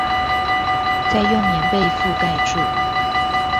再用棉被覆蓋住